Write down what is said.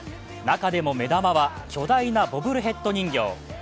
中でも目玉は巨大なボブルヘッド人形。